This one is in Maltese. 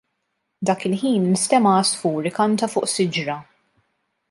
Dak il-ħin instema' għasfur ikanta fuq siġra.